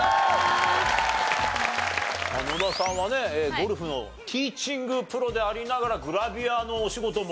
ゴルフのティーチングプロでありながらグラビアのお仕事も。